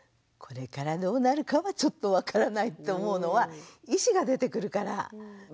これからどうなるかはちょっと分からないと思うのは意思が出てくるから。